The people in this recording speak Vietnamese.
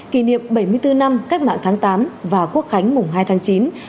kỷ niệm bảy mươi bốn năm cách mạng tháng tám và quốc khánh mùng hai tháng chín